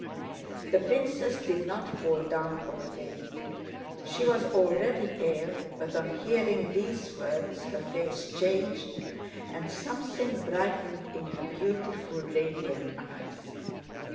The princess did not fall down or faint. She was already pale, but on hearing these words her face changed and something brightened in her beautiful, radiant eyes.